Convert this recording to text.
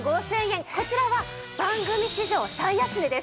こちらは番組史上最安値です。